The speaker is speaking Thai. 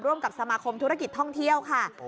ร่วมกับสมาคมธุรกิจท่องเที่ยวค่ะ